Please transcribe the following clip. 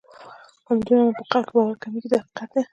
همدومره مو پر خلکو باور کمیږي دا حقیقت دی.